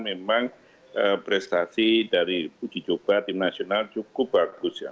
memang prestasi dari uji coba tim nasional cukup bagus ya